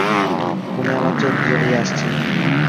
ঘুমে আমার চোখ জড়িয়ে আসছে।